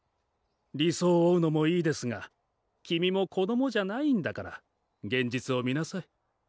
理想を追うのもいいですが君も子供じゃないんだから現実を見なさい。